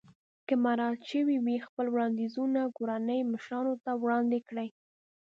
که مراعات شوي وي خپل وړاندیزونه کورنۍ مشرانو ته وړاندې کړئ.